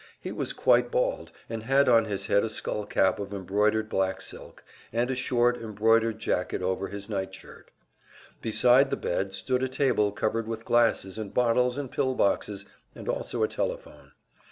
He was quite bald, and had on his head a skull cap of embroidered black silk, and a short, embroidered jacket over his night shirt. Beside the bed stood a table covered with glasses and bottles and pill boxes, and also a telephone.